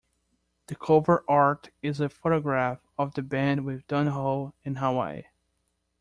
The cover art is a photograph of the band with Don Ho in Hawaii.